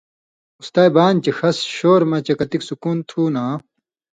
اُستائے بانیۡ چےۡ ݜس شُور مہ چےۡ کتک سکُون تُھو نا